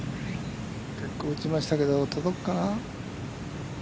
結構打ちましたけど届くかな？